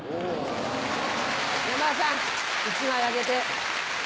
山田さん１枚あげて。